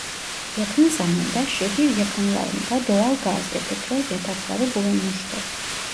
Yakın zamanda şehir yakınlarında doğal gaz ve petrol yatakları bulunmuştur.